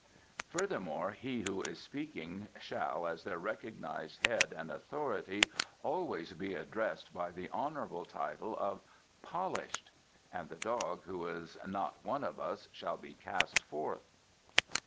Furthermore, he who is speaking shall, as their recognized head and authority, always be addressed by the honourable title of 'Polished,' and the dog who is not one of us shall be cast forth."